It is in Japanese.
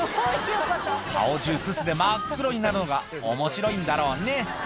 顔中すすで真っ黒になるのが面白いんだろうね